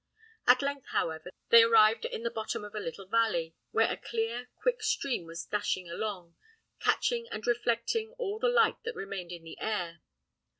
At length, however, they arrived in the bottom of a little valley, where a clear quick stream was dashing along, catching and reflecting all the light that remained in the air.